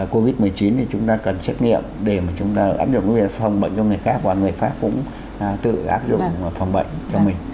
covid một mươi chín thì chúng ta cần xét nghiệm để mà chúng ta áp dụng cái vấn đề phòng bệnh trong ngày khác và người pháp cũng tự áp dụng phòng bệnh cho mình